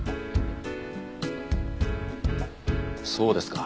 そうですか。